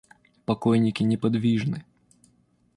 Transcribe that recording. Покойники неподвижны.